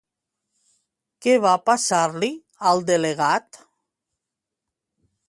Què va passar-li, al delegat?